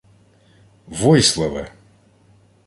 — Войславе!